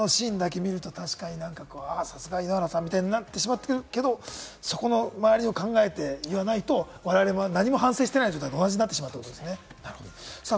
そこを、あのシーンだけ見ると確かにさすが井ノ原さんみたいになってしまってるけれども、そこの周りを考えて言わないと我々も何も反省していないということと同じになってしまうということですね。